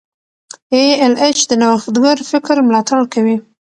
ای ایل ایچ د نوښتګر فکر ملاتړ کوي.